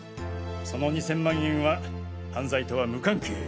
その２０００万円は犯罪とは無関係。